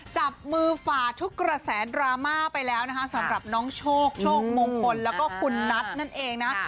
จับมือฝ่าทุกกระแสดราม่าไปแล้วนะคะสำหรับน้องโชคโชคมงคลแล้วก็คุณนัทนั่นเองนะ